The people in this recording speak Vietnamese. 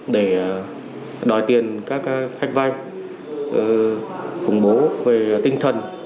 để đòi tiền các khách vay khủng bố về tinh thần